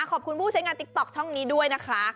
ขอบคุณผู้ใช้งานติ๊กต๊อกช่องนี้ด้วยนะคะ